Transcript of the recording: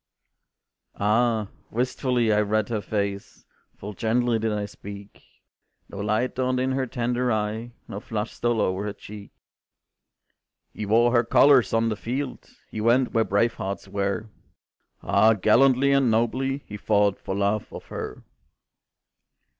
Ah! wistfully I read her face, Full gently did I speak, No light dawned in her tender eye, No flush stole o'er her cheek. "He wore her colors on the field, He went where brave hearts were; Ah, gallantly and nobly He fought for love of her.